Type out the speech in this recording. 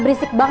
b acum petang